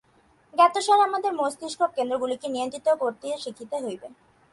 জ্ঞাতসারে আমাদের মস্তিষ্ক-কেন্দ্রগুলিকে নিয়ন্ত্রিত করিতে শিখিতে হইবে।